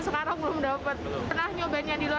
kami penasaran ya